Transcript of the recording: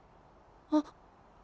あっ。